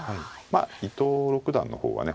伊藤六段の方はね